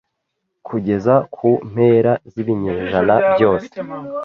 Kugeza ku mpera z'ibinyejana byose